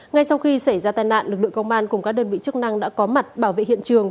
ngay sau khi xảy ra tai nạn lực lượng công an cùng các đơn vị chức năng đã có mặt bảo vệ hiện trường